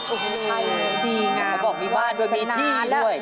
ดีง่าเขาบอกมีบ้านเวลามีที่ด้วย